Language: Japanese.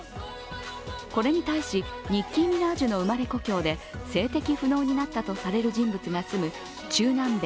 これに対し、ニッキー・ミナージュの生まれ故郷で性的不能になったとされる人物が住む中南米